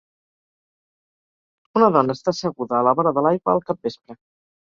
Una dona està seguda a la vora de l'aigua al capvespre.